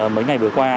mấy ngày vừa qua